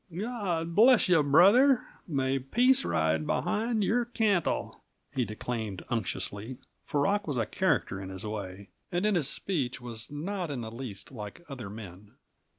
"Gawd bless you, brother! May peace ride behind your cantle!" he declaimed unctuously, for Rock was a character, in his way, and in his speech was not in the least like other men.